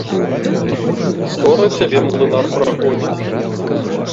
Скора цябе млынар прагоніць?